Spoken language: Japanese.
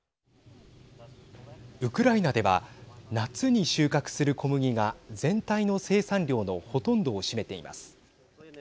ウクライナでは夏に収穫する小麦が全体の生産量のほとんどを占めています。